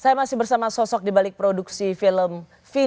saya masih bersama sosok di balik produksi film fina